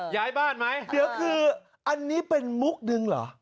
ย้ายบ้านไหมเดี๋ยวคืออันนี้เป็นมุกหนึ่งเหรอ